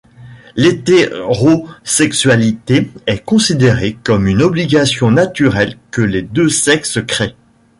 L’hétérosexualité est considérée comme une obligation naturelle que les deux sexes créent.